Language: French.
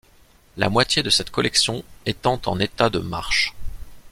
La moitié de cette collection étant en état de marche.